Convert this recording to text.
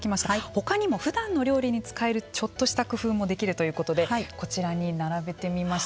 他にもふだんの料理に使えるちょっとした工夫もできるということでこちらに並べてみました。